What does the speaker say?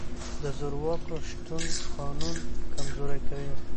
د زورواکو شتون قانون کمزوری کوي.